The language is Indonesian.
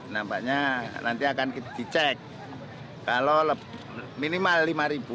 nampaknya nanti akan dicek kalau minimal lima ribu